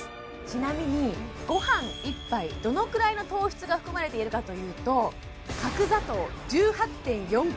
ちなみにごはん１杯どのくらいの糖質が含まれているかというとえ！